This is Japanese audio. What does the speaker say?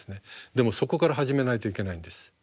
でもそこから始めないといけないんです。